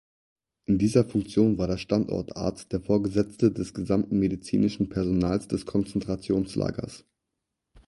In dieser Funktion war der Standortarzt der Vorgesetzte des gesamten medizinischen Personals des Konzentrationslagers.